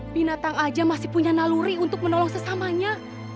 binatang aja masih punya naluri untuk menolong sesamanya